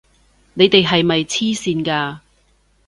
你哋係咪癡線㗎！